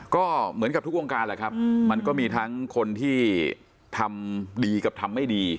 ก็เหมือนกับทุกวงการแหละครับมันก็มีทั้งคนที่ทำดีกับทำไม่ดี